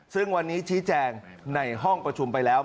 ซึ่งวันนี้ชี้แจงในห้องประชุมไปแล้ว